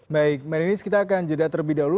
baik merynnis kita akan jeda terlebih dahulu